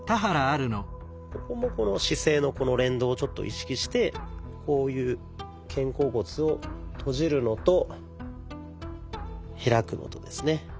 ここもこの姿勢のこの連動を意識してこういう肩甲骨を閉じるのと開くのとですね。